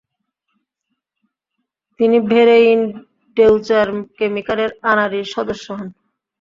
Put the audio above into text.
তিনি ভেরেইন ডেউচার কেমিকারের অনারারি সদস্য হন।